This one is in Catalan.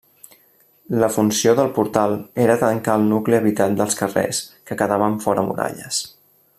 La funció del portal era tancar el nucli habitat dels carrers que quedaven fora muralles.